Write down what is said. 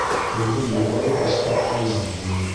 Ҡоҙғон юғары осһа, аяҙ булыр.